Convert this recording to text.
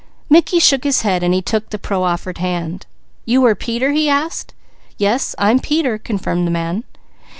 Mickey shook his head as he took the proffered hand. "You are Peter?" he asked. "Yes, I'm Peter," confirmed the man.